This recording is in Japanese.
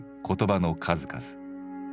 言葉の数々。